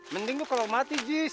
mending bu kalau mati jis